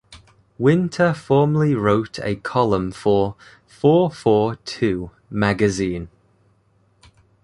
Winter formerly wrote a column for "Four Four Two" magazine.